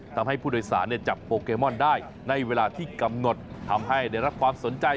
ทำให้ผู้โดยสารจับโปเกมอนได้ในเวลาที่กำหนดทำให้ได้รับความสนใจ